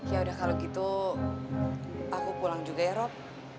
ya udah kalau gitu aku pulang juga ya rob